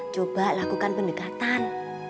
coba lakukan pendekatan